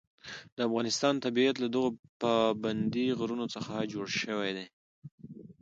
د افغانستان طبیعت له دغو پابندي غرونو څخه جوړ شوی دی.